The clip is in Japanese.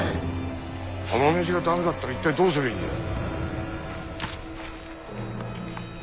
鼻ねじが駄目だったら一体どうすりゃいいんだよ。